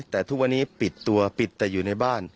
แต่ทุกวันนี้ปิดตัวปิดแต่อยู่ในบ้าน